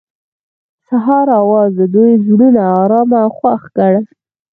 د سهار اواز د دوی زړونه ارامه او خوښ کړل.